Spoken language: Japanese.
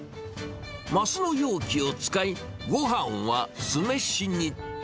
升の容器を使い、ごはんは酢飯に。